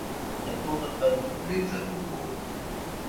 Элнет олыкын лӱмжӧ кугу